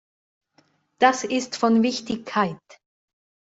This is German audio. Das ist von Wichtigkeit.